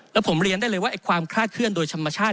แล้วผมเรียนได้เลยว่าความคลาดเคลื่อนโดยธรรมชาติ